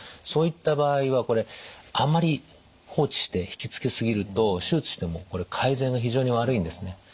そういった場合はあまり放置して引きつけ過ぎると手術しても改善が非常に悪いんですね。